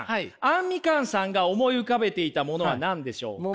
あんみかんさんが思い浮かべていたものは何でしょうか？